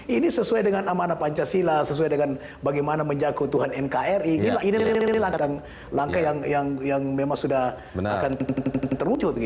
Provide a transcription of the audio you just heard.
ini sesuai dengan amanah pancasila sesuai dengan bagaimana menjaga tuhan nkri ini langkah yang memang sudah akan terwujud